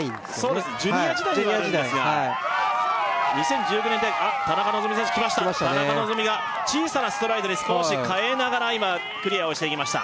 そうですジュニア時代にあるんですがジュニア時代はい２０１９年あっ田中希実選手来ました来ましたね田中希実が小さなストライドで少し変えながら今クリアをしていきました